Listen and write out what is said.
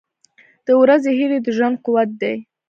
• د ورځې هیلې د ژوند قوت دی.